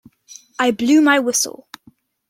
I blew my whistle.